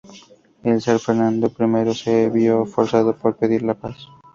El zar Fernando I se vio forzado a pedir la paz.